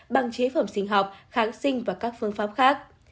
bằng chế phẩm sinh học kháng sinh và các phương pháp khác